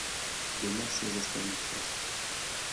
Doma se zastaví čas.